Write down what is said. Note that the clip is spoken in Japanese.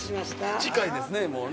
近いですねもうね。